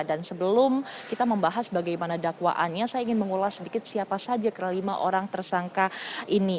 dan sebelum kita membahas bagaimana dakwaannya saya ingin mengulas sedikit siapa saja kelima orang tersangka ini